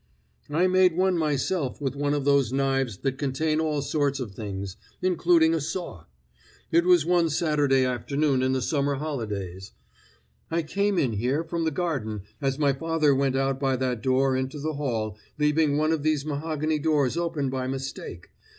"I made one myself with one of those knives that contain all sorts of things, including a saw. It was one Saturday afternoon in the summer holidays. I came in here from the garden as my father went out by that door into the hall, leaving one of these mahogany doors open by mistake.